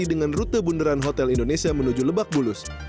dengan rute bunderan hotel indonesia menuju lebak bulus